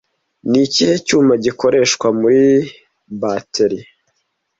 Ni ikihe cyuma gikoreshwa muri bateri